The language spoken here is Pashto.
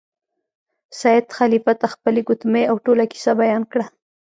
سید خلیفه ته خپله ګوتمۍ او ټوله کیسه بیان کړه.